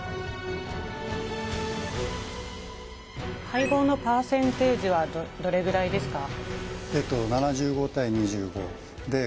配合のパーセンテージはどれぐらいですか？